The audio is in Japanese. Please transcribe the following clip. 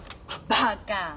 バカ！